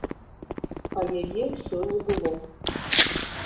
А яе ўсё не было.